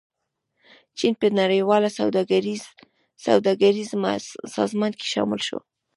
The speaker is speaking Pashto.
چین په نړیواله سوداګریزې سازمان کې شامل شو.